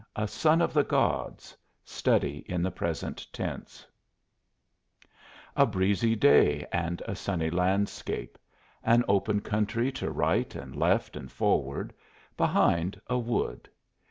A SON OF THE GODS A STUDY IN THE PRESENT TENSE A breezy day and a sunny landscape. An open country to right and left and forward; behind, a wood.